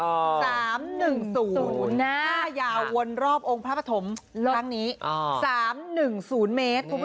ขนาดความยาววนรอบองค์พระปฐมครั้งนี้๓๑๐เมตร